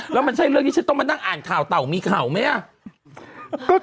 แล้วมันใช่เรื่องที่ฉันต้องมานั่งอ่านข่าวเต่ามีข่าวไหมอ่ะ